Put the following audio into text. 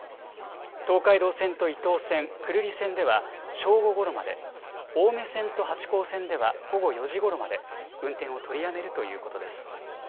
東海道線と伊東線、久留里線では正午ごろまで、青梅線と八高線では午後４時ごろまで運転を取りやめるということです。